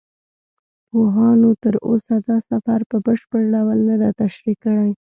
پوهانو تر اوسه دا سفر په بشپړ ډول نه دی تشریح کړی.